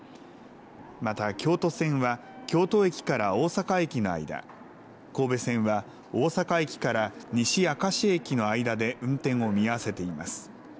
また京都線は京都駅から大阪駅の間、神戸線は大阪駅から西明石駅の間で運転を見合わせています。